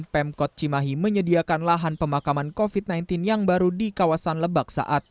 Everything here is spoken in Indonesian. pemkot cimahi menyediakan lahan pemakaman covid sembilan belas yang baru di kawasan lebak saat